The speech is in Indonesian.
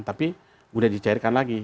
tapi sudah dicairkan lagi